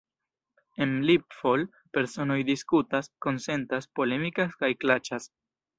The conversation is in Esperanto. En LibFol, personoj diskutas, konsentas, polemikas kaj klaĉas.